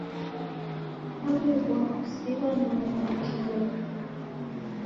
Waw'eboa kusighwa ni mumi wake ueka